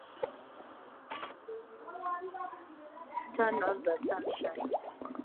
Turn on the sunshine.